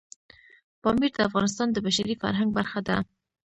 پامیر د افغانستان د بشري فرهنګ برخه ده.